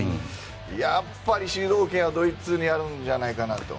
やっぱり主導権はドイツにあるんじゃないかなと。